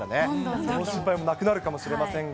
そういう心配もなくなるかもしれませんが。